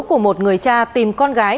của một người cha tìm con gái